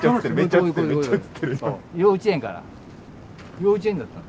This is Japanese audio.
幼稚園だったの。